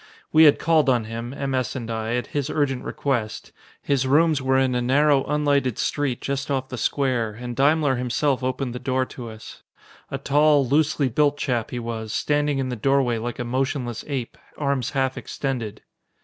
We had called on him, M. S. and I, at his urgent request. His rooms were in a narrow, unlighted street just off the square, and Daimler himself opened the door to us. A tall, loosely built chap he was, standing in the doorway like a motionless ape, arms half extended.